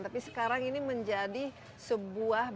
tapi sekarang ini menjadi sebuah